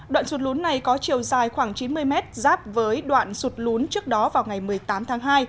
đoạn sụt lún này có chiều dài khoảng chín mươi mét giáp với đoạn sụt lún trước đó vào ngày một mươi tám tháng hai